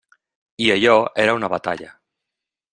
I allò era una batalla.